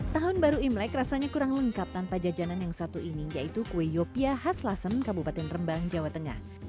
tahun baru imlek rasanya kurang lengkap tanpa jajanan yang satu ini yaitu kue yopia khas lasem kabupaten rembang jawa tengah